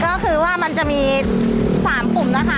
ก็คือว่ามันจะมี๓ปุ่มนะคะ